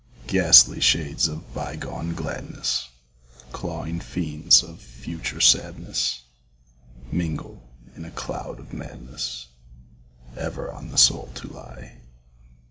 Ghastly shades of bygone gladness, Clawing fiends of future sadness, Mingle in a cloud of madness Ever on the soul to lie.